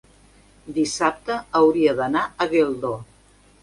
Dissabte hauria d'anar a Geldo.